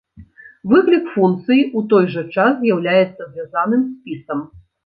Выклік функцыі у той жа час з'яўляецца звязаным спісам.